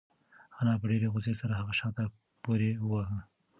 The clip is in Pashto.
انا په ډېرې غوسې سره هغه شاته پورې واهه.